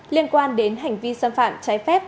liên quan đến hành vi xâm phạm trái phép